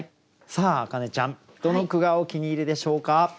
さあ明音ちゃんどの句がお気に入りでしょうか？